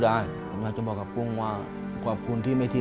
รายการต่อไปนี้เป็นรายการทั่วไปสามารถรับชมได้ทุกวัย